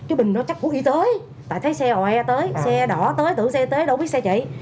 ủa y tế tại thấy xe oe tới xe đỏ tới tưởng xe tới đâu biết xe chị